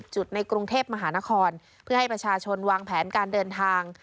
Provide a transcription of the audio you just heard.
จุดในกรุงเทพมหานครเพื่อให้ประชาชนวางแผนการเดินทาง